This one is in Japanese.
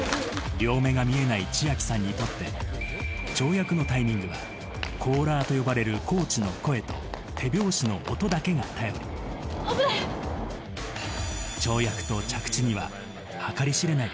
両目が見えない千明さんにとって、跳躍のタイミングは、コーラーと呼ばれるコーチの声と、危ない。